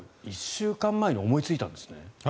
１週間前に思いついたんですね。